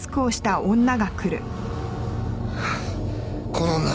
この女